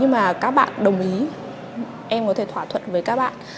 nhưng mà các bạn đồng ý em có thể thỏa thuận với các bạn